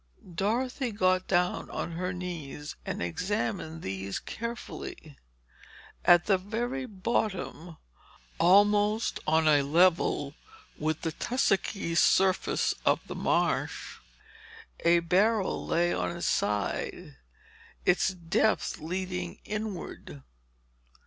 Dorothy got down on her knees and examined these carefully. At the very bottom, almost on a level with the tussocky surface of the marsh, a barrel lay on its side, its depth leading inward.